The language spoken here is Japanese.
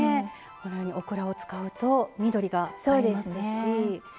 このようにオクラを使うと緑が映えますし。